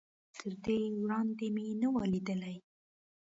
تر دې وړاندې مې نه و ليدلی.